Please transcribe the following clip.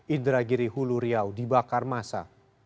indragiri hulu riau dibakar masa